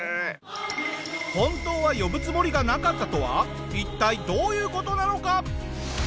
本当は呼ぶつもりがなかったとは一体どういう事なのか？